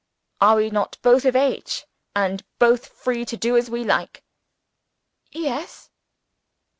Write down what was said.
"Are we not both of age, and both free to do as we like?" "Yes."